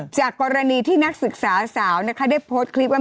จากกรณีที่นักศึกษาสาวนะคะได้โพสต์คลิปว่า